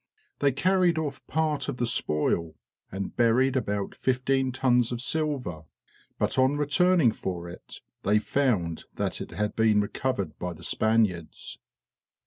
They carried off part of the spoil, and buried about fifteen tons of silver; but on returning for it, they found that it had been recovered by the Spaniards.